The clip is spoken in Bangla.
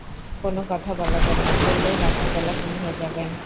কোনো কথা বলা যাবে না, বললেই রাতের বেলা গুম হয়ে যাবেন।